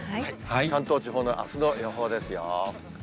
関東地方のあすの予報ですよ。